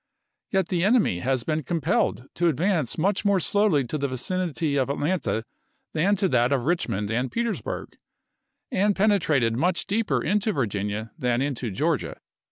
Yet the enemy has been compelled to advance much more slowly to the vicinity of Atlanta than to that of ATLANTA 265 Richmond and Petersburg, and penetrated much chap. xii. deeper into Virginia than into Georgia."